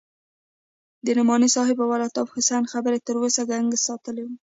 د نعماني صاحب او الطاف حسين خبرې تر اوسه گنگس ساتلى وم.